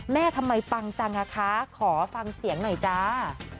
แม่ทำไมปังจังอ่ะคะขอฟังเสียงหน่อยจ้า